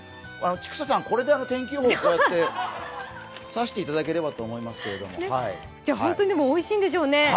千種さん、これで天気予報こうやって指していただければと思いますけど本当においしいんでしょうね。